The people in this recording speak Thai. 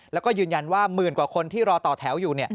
แล้วก็ยืนยันว่าหมื่นกว่าคนที่รอต่อแถวอยู่